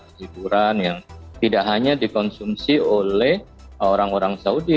hiburan yang tidak hanya dikonsumsi oleh orang orang saudi